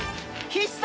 必殺！